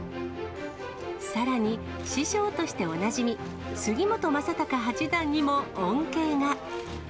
さらに、師匠としておなじみ、杉本昌隆八段にも恩恵が。